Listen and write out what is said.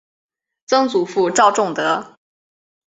曾祖父赵仲德。